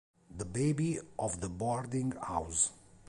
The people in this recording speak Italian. The Baby of the Boarding House